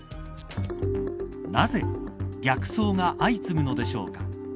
なぜ、逆走が相次ぐのでしょうか。